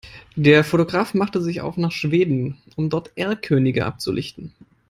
Der Fotograf machte sich auf nach Schweden, um dort Erlkönige abzulichten.